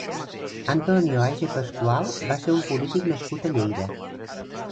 Antonio Aige Pascual va ser un polític nascut a Lleida.